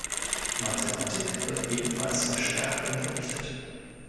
Mathematik wird ebenfalls verstärkt unterrichtet.